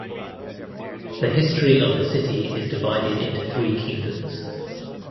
The history of the city is divided into three kingdoms.